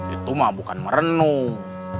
itu mah bukan merenung